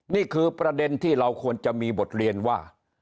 นี่คือประเด็นที่เราควรจะมีบทเรียนว่า